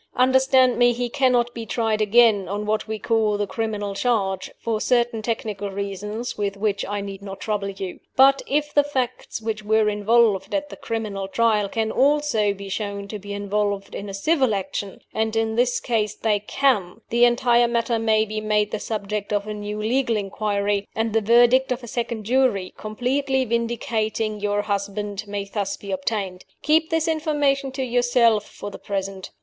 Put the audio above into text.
Understand me, he cannot be tried again on what we call the criminal charge for certain technical reasons with which I need not trouble you. But, if the facts which were involved at the criminal trial can also be shown to be involved in a civil action (and in this case they can), the entire matter may be made the subject of a new legal inquiry; and the verdict of a second jury, completely vindicating your husband, may thus be obtained. Keep this information to yourself for the present.